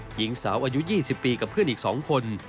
หญิงสาวอายุ๒๐ปีกับเพื่อนอีก๒คน